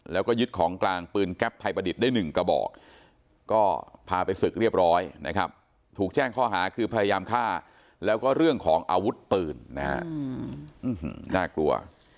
แล้วก็ยึดของกลางปืนแก๊ปไทยประดิษฐ์ได้๑กระบอกก็พาไปศึกเรียบร้อยนะครับถูกแจ้งข้อหาคือพยายามฆ่าแล้วก็เรื่องของอาวุธปืนนะฮะน่ากลัว